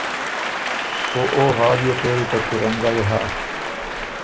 او او حال يې پېری ته پیرنګئ هۀ